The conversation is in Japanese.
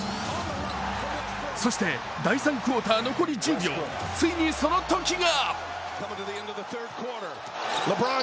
そして第３クオーター残り１０秒ついにそのときが。